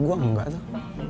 gue enggak tuh